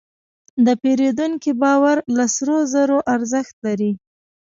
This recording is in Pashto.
د پیرودونکي باور له سرو زرو ارزښت لري.